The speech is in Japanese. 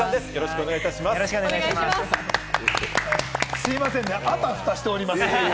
すいませんね、あたふたしております。